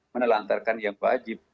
menelantarkan yang wajib